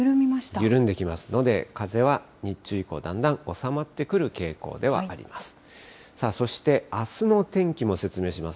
緩んできますので、風は日中以降、だんだん収まってくる傾向ではあります。